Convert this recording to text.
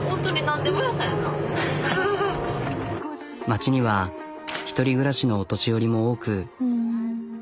町には１人暮らしのお年寄りも多く。